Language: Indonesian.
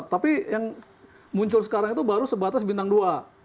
tapi yang muncul sekarang itu baru sebatas bintang dua